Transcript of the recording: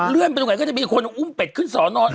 เรื่องเป็นไงก็จะมีคนอุ้มเป็ดขึ้นสอนรอปะ